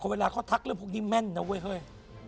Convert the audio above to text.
เวลาเขาทักเรื่องพวกนี้แม่นนะเว้ยเฮ้ย